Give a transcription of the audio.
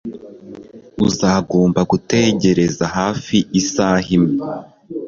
Uzagomba gutegereza hafi isaha imwe.